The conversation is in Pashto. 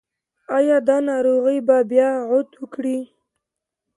ایا دا ناروغي به بیا عود وکړي؟